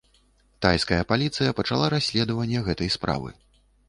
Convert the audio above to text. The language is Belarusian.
Тайская паліцыя пачала расследаванне гэтай справы.